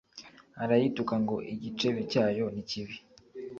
arayituka ngo igicebe cyayo ni kibi